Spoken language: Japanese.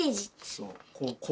そう。